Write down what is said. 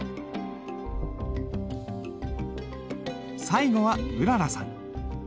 最後はうららさん。